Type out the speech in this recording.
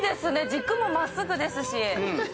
軸も真っすぐですし。